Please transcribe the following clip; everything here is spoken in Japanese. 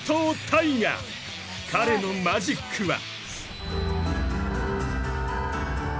［彼のマジックは］